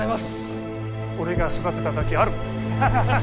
俺が育てただけある！